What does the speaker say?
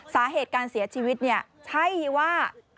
สาเหตุการเสียชีวิตเนี่ยใช่ว่า